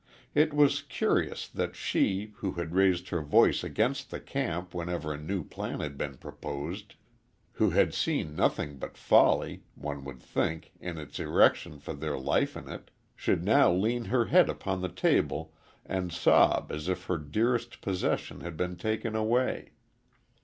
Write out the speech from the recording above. It was curious that she, who had raised her voice against the camp whenever a new plan had been proposed, who had seen nothing but folly, one would think, in its erection or their life in it, should now lean her head upon the table and sob as if her dearest possession had been taken away.